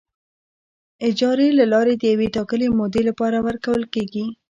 اجارې له لارې د یوې ټاکلې مودې لپاره ورکول کیږي.